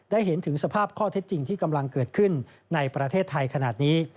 เห็นถึงสภาพข้อเท็จจริงที่กำลังเกิดขึ้นในประเทศไทยขนาดนี้